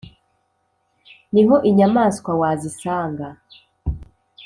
ni ho inyamaswa wazisanga